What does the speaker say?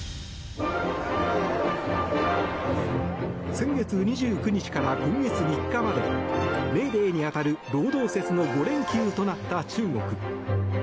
先月２９日から今月３日までメーデーに当たる労働節の５連休となった中国。